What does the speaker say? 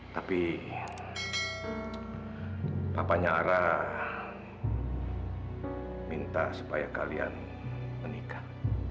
tapi papanya arah minta supaya kalian menikah